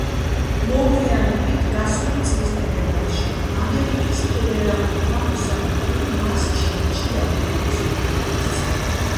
მოგვიანებით, გასული წლის თებერვალში, ამერიკის ფედერალურმა მოსამართლემ მას ჩინეთში დაბრუნების უფლება მისცა.